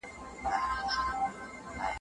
يو لاس ږغ نه لري.